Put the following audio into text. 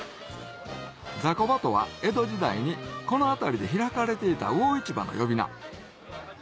雑魚場とは江戸時代にこの辺りで開かれていた魚市場の呼び名